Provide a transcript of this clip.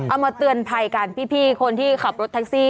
เอามาเตือนภัยกันพี่คนที่ขับรถแท็กซี่